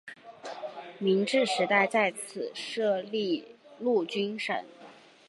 明治时代在此设立陆军省。